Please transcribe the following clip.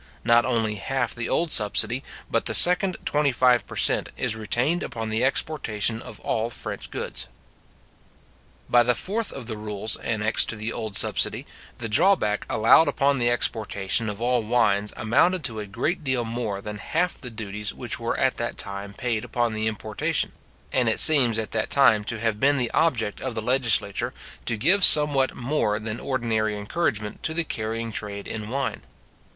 Not only half the old subsidy, but the second twenty five per cent. is retained upon the exportation of all French goods. By the fourth of the rules annexed to the old subsidy, the drawback allowed upon the exportation of all wines amounted to a great deal more than half the duties which were at that time paid upon their importation; and it seems at that time to have been the object of the legislature to give somewhat more than ordinary encouragement to the carrying trade in wine.